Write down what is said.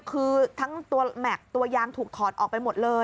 คือทั้งตัวแม็กซ์ตัวยางถูกถอดออกไปหมดเลย